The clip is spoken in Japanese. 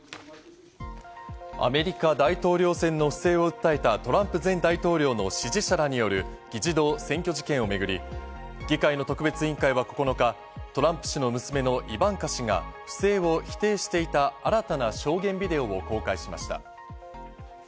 アメリカ大統領選の不正を訴えたトランプ前大統領の支持者らによる議事堂占拠事件をめぐり、議会の特別委員会は９日、トランプ氏の娘のイバンカ氏が、不正を否定していた新たな証言ビデオを公開しました。